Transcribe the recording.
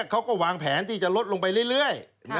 เขาก็วางแผนที่จะลดลงไปเรื่อย